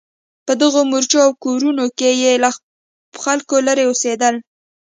په دغو مورچو او کورونو کې یې له خلکو لرې اوسېدل.